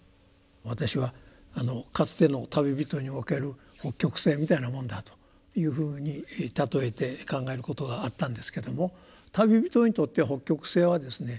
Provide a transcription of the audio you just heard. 私はかつての旅人における北極星みたいなもんだというふうに例えて考えることがあったんですけども旅人にとって北極星はですね